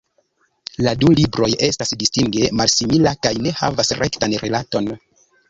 La du libroj estas distinge malsimila kaj ne havas rektan rilaton.